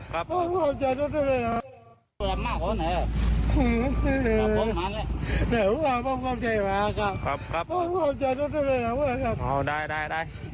ดูจังหวังนี้หน่อยฟังเขาก็พูดอะไร